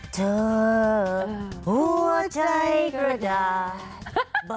เธอหัวใจกระดาษ